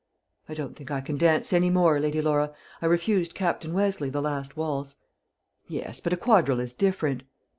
"I don't think I can dance any more, Lady Laura. I refused Captain Westleigh the last waltz." "Yes, but a quadrille is different.